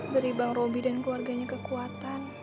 beri bang roby dan keluarganya kekuatan